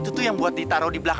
duduk dulu mbak